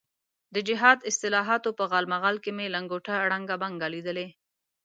د جهاد اصطلاحاتو په غالمغال کې مې لنګوټه ړنګه بنګه لیدلې.